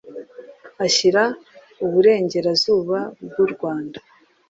ashyira uburengerazuba bw u rwanda